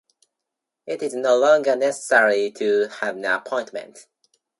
It is no longer necessary to have an appointment.